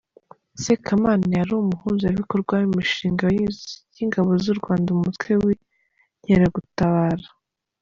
Sekamana yari Umuhuzabikorwa w’imishinga y’Ingabo z’u Rwanda, Umutwe w’Inkeragutabara.